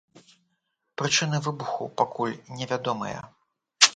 Прычыны выбуху пакуль невядомыя.